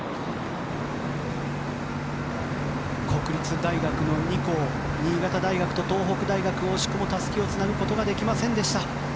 国立大学の２校新潟大学と東北大学惜しくもたすきをつなぐことができませんでした。